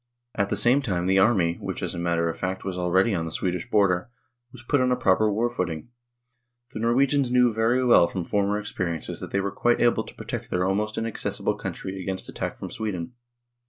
At the same time the army, which, as a matter of fact, was already on the Swedish border, was put on a proper war footing. The Norwegians knew very well from former experiences that they were quite able to protect their almost inaccessible country against attack from Sweden.